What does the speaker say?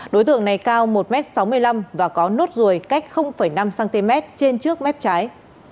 đối tượng này cao một m sáu mươi năm và có nốt ruồi cách năm cm trên trước mép trái